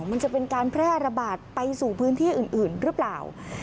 มันจะเป็นการแพร่ระบาดไปสู่พื้นที่อื่นหรือเปล่า